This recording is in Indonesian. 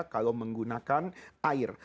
kalau menggunakan air